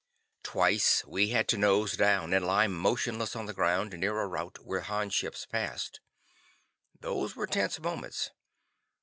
Twice we had to nose down and lie motionless on the ground near a route while Han ships passed. Those were tense moments.